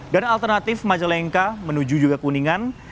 dan alternatif majalengka menuju juga kuningan